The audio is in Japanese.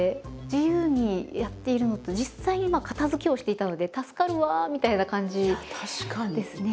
自由にやっているのと実際に片づけをしていたので「助かるわ」みたいな感じですね。